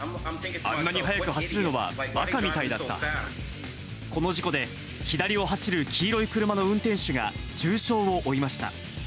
あんなに速く走るのは、ばかみたこの事故で左を走る黄色い車の運転手が重傷を負いました。